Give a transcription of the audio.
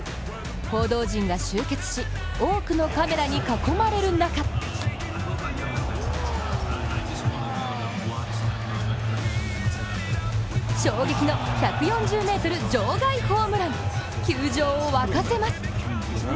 報道陣が集結し、多くのカメラに囲まれる中衝撃の１４０ｍ場外ホームラン、球場を沸かせます。